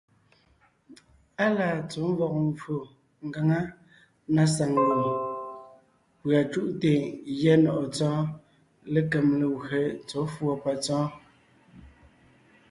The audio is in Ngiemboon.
Á laa tsɔ̌ mvɔ̀g mvfò ngaŋá na saŋ lùm, pʉ̀a cúʼte gyɛ́ nɔ̀ʼɔ Tsɔ́ɔn lékem legwé tsɔ̌ fʉ̀ɔ patsɔ́ɔn.